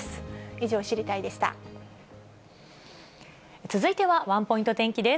以上、続いてはワンポイント天気です。